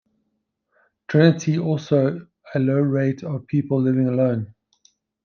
Trinity also a low rate of people living alone.